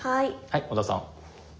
はい小田さん。